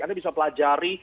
anda bisa pelajari